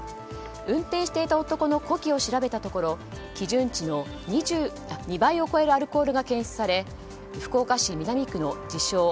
運転していた男の呼気を調べたところ基準値の２倍を超えるアルコールが検出され福岡市南区の自称